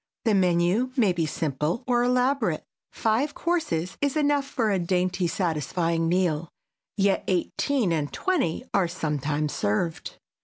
The menu may be simple or elaborate. Five courses is enough for a dainty satisfying meal, yet eighteen and twenty are sometimes served.